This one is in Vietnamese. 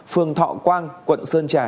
phường thọ quang quận sơn trà